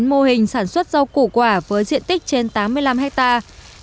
hai mươi chín mô hình sản xuất rau củ quả với diện tích trên tám mươi năm hectare